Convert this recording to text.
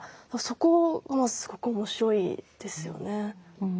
そこがまあすごく面白いですよね。